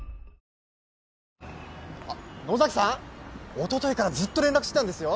おとといからずっと連絡してたんですよ